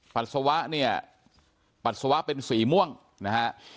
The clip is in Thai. ปัสสาวะเนี่ยปัสสาวะเป็นสีม่วงนะฮะ